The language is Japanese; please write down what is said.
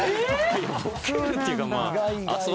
ボケるっていうかまあ。